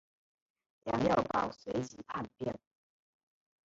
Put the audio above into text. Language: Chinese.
梁耀宝随即叛变。